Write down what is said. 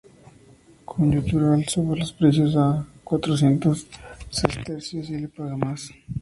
Coyuntural sube los precios a cuatrocientos sestercios y le paga más.